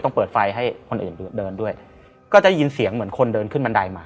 เปิดไฟให้คนอื่นเดินด้วยก็จะได้ยินเสียงเหมือนคนเดินขึ้นบันไดมา